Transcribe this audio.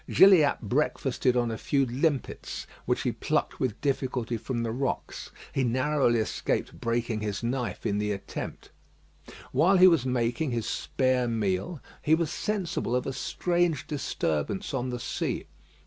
Gilliatt breakfasted on a few limpets which he plucked with difficulty from the rocks. He narrowly escaped breaking his knife in the attempt. While he was making his spare meal, he was sensible of a strange disturbance on the sea.